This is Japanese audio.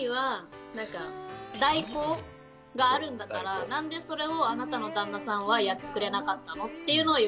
代行があるんだから何でそれをあなたの旦那さんはやってくれなかったの？っていうのを言われて。